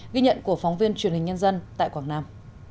ghi nhận của phóng viên truyền hình nhân dân tại quảng nam